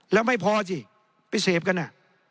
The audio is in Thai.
แล้วไม่พอสิไปเสพกันอ่ะ